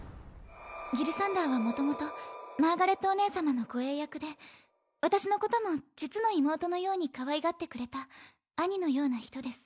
ギルサンダーはもともとマーガレットお姉様の護衛役で私のことも実の妹のようにかわいがってくれた兄のような人です。